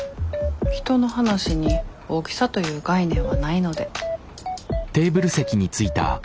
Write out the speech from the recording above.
人の話に大きさという概念はないので。